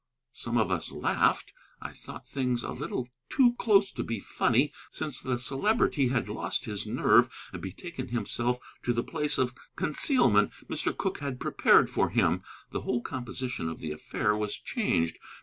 Some of us laughed. I thought things a little too close to be funny. Since the Celebrity had lost his nerve and betaken himself to the place of concealment Mr. Cooke had prepared for him, the whole composition of the affair was changed.